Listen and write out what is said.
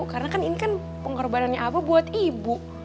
karena kan ini kan pengorbanannya aba buat ibu